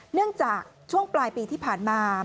เนื่องจากช่วงปลายปีที่ผ่านมา